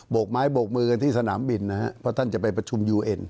กไม้โบกมือกันที่สนามบินนะฮะเพราะท่านจะไปประชุมยูเอ็น